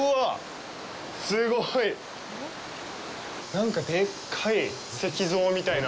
なんかでっかい石像みたいな。